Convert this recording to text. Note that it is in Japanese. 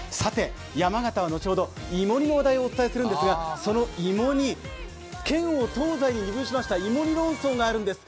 山形は後ほど芋煮の話題をお伝えするんですが県を東西に二分しました芋煮論争があるんです。